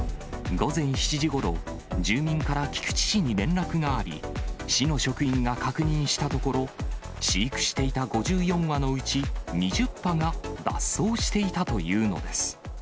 午前７時ごろ、住民から菊池市に連絡があり、市の職員が確認したところ、飼育していた５４羽のうち、２０羽が脱走していたというのです。